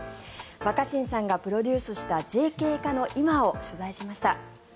若新さんがプロデュースしたＪＫ課の今を取材しました。